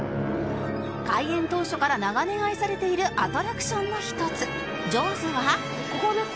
開園当初から長年愛されているアトラクションの一つジョーズは